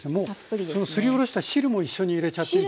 そのすりおろした汁も一緒に入れちゃっていいんですか。